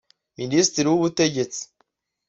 Minisitiri w’ubutegetsi